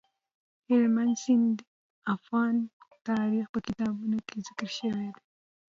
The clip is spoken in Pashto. هلمند سیند د افغان تاریخ په کتابونو کې ذکر شوی دی.